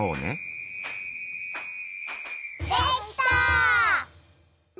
できた！